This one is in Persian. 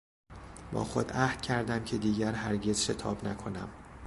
با خود عهد کردم که دیگر هرگز شتاب نکنم.